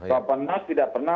sopenas tidak pernah